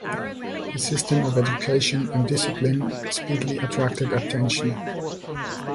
His system of education and discipline speedily attracted attention.